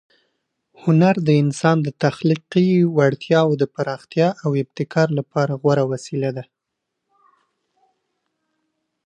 هنر د انسان د تخلیق وړتیاوو د پراختیا او ابتکار لپاره غوره وسیله ده.